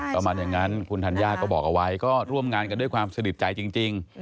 ประมาณอย่างนั้นคุณธัญญาก็บอกเอาไว้ก็ร่วมงานกันด้วยความสนิทใจจริง